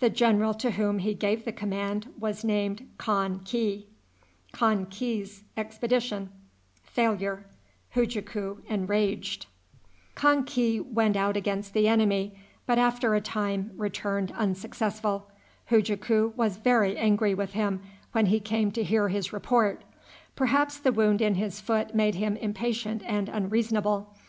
The general to whom he gave the command was named Kan ki. Kan ki went out against the enemy, but, after a time, returned unsuccessful. Hujaku was very angry with him when he came to hear his report. Perhaps the wound in his foot made him impatient and unreasonable.